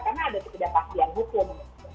karena ada ketidakpastian hukum